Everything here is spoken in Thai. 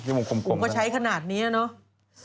ที่มุมกลมคุณก็ใช้ขนาดนี้แล้วเนอะ